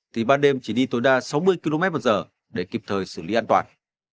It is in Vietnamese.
thì ban đêm chỉ đi tối đa sáu mươi kmh để kịp thời xử lý an toàn